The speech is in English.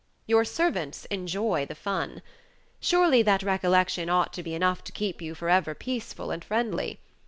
Your servants enjoy the fun. Surely that recollection ought to be enough to keep you for ever peaceful and friendly.